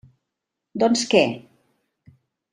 Doncs què?